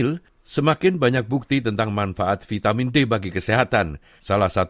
tapi kita tahu juga bahwa sunat juga membawa beberapa manfaat